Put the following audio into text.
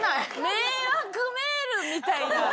迷惑メールみたいな。